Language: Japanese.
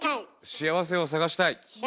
幸せを探したい！